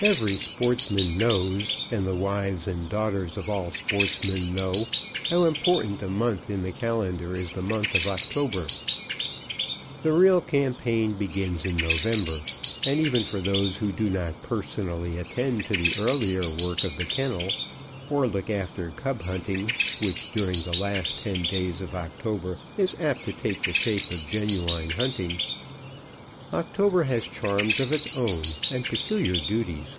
Every sportsman knows, and the wives and daughters of all sportsmen know, how important a month in the calendar is the month of October. The real campaign begins in November; and even for those who do not personally attend to the earlier work of the kennel, or look after cub hunting, which during the last ten days of October is apt to take the shape of genuine hunting, October has charms of its own and peculiar duties.